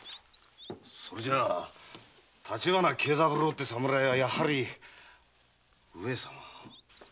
⁉それじゃあ立花慶三郎って侍はやはり上様？